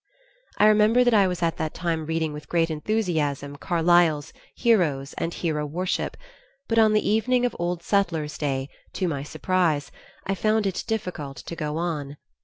I remember that I was at that time reading with great enthusiasm Carlyle's "Heroes and Hero Worship," but on the evening of "Old Settlers' Day," to my surprise, I found it difficult to go on.